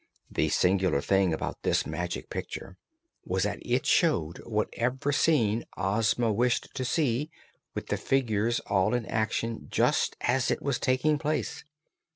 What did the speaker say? The singular thing about this Magic Picture was that it showed whatever scene Ozma wished to see, with the figures all in motion, just as it was taking place.